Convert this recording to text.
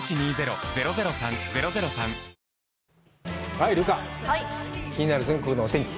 はい、留伽、気になる全国のお天気。